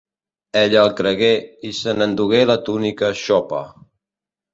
Ella el cregué i se n'endugué la túnica xopa.